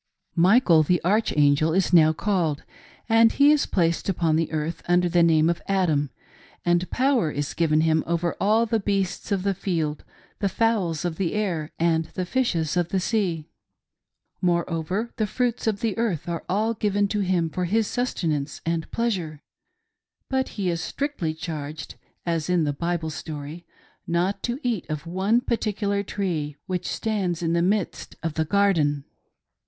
Michael the Archangel is now called, and he is placed ilpon THE DEVIL MAkES HIS APPEARANCE. 363 the earth under the name of Adam, and power is given him over all the beasts of the field, the fowls of the air, and the fishes of the Sea. Moreover the fruits of the earth are all giveri to him for his sustenance and pleasure, but he is strictly charged, as in Bible story, not to eat of one particular tree which stands in the midst of the garden.